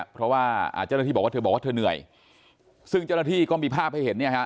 เพราะว่าเจ้าหน้าที่บอกว่าเธอเหนื่อยซึ่งเจ้าหน้าที่ก็มีภาพให้เห็น